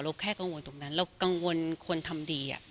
แค่กังวลตรงนั้นเรากังวลคนทำดี